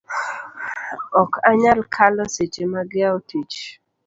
ok anyal kalo seche mag yawo tich